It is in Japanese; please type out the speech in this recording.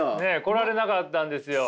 来られなかったんですよ。